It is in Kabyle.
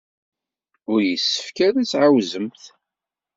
Ur yessefk ara ad tettɛawazemt.